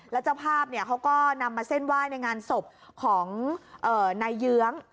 แล้วเจ้าภาพเขาก็นำมาเส้นไหว้ในงานศพของนายเยื้อง